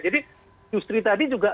jadi justri tadi juga